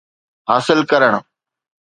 حاصل ڪرڻ